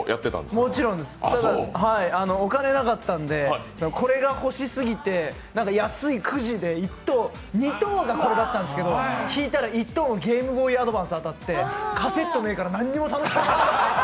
もちろんです、お金がなかったんで安いくじで２等がこれだったんですけど、引いたら１等のゲームボーイアドバンス当たって、カセットねぇから何も楽しくなかった。